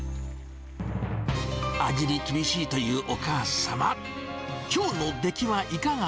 味に厳しいというお母様。